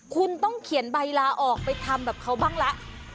คุณต้องเขียนใบลาออกไปทำแบบเขาบ้างละ